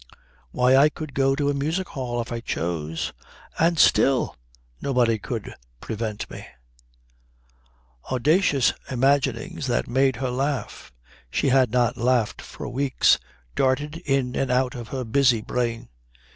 Why, I could go to a music hall if I chose, and still nobody could prevent me!" Audacious imaginings that made her laugh she had not laughed for weeks darted in and out of her busy brain.